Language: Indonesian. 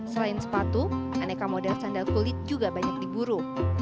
selain sepatu aneka model sandal kulit juga banyak diburu